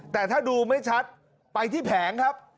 แต่ถ้าดูไม่ชัดไปที่แผงครับ